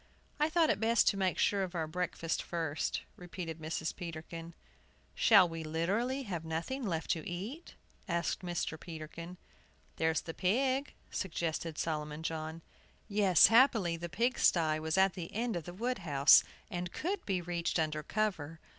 "I thought it best to make sure of our breakfast first," repeated Mrs. Peterkin. "Shall we literally have nothing left to eat?" asked Mr. Peterkin. "There's the pig!" suggested Solomon John. Yes, happily, the pigsty was at the end of the wood house, and could be reached under cover.